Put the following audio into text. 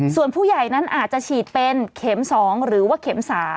ส่วนผู้ใหญ่นั้นอาจจะฉีดเป็นเข็ม๒หรือว่าเข็ม๓